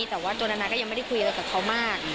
แต่ว่าตัวนานาก็ยังไม่ได้คุยอะไรกับเขามาก